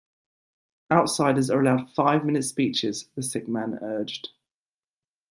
Outsiders are allowed five minute speeches, the sick man urged.